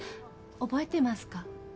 覚えてますか？